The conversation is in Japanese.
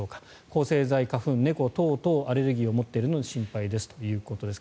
抗生剤、花粉、猫等々アレルギーを持ってるので心配ですということです。